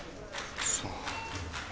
さあ。